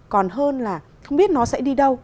còn hơn là không biết nó sẽ đi đâu